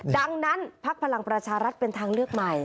ดังนั้นพักพลังประชารัฐเป็นทางเลือกใหม่